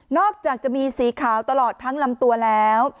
อกจากจะมีสีขาวตลอดทั้งลำตัวแล้ว